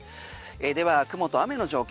では雲と雨の状況